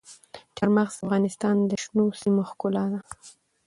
چار مغز د افغانستان د شنو سیمو ښکلا ده.